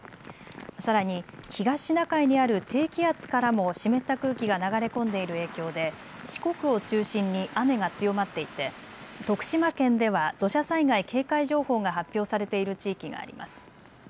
さらに東シナ海にある低気圧からも湿った空気が流れ込んでいる影響で四国を中心に雨が強まっていて徳島県では土砂災害警戒情報が発表されている地域があります。